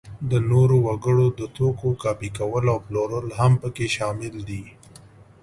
د نورو وګړو د توکو کاپي کول او پلورل هم په کې شامل دي.